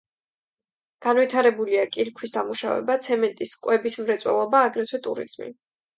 განვითარებულია კირქვის დამუშავება, ცემენტის, კვების მრეწველობა, აგრეთვე ტურიზმი.